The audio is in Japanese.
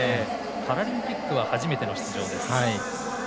パラリンピックは初めての出場です。